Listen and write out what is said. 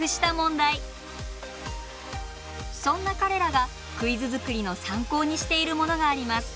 そんな彼らがクイズ作りの参考にしているものがあります。